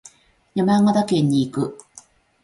山形県に行く。